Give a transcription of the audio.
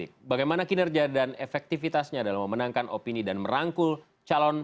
kita harus akhiri politik kebohongan